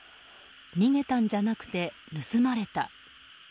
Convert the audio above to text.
逃げたんじゃなくて盗まれた。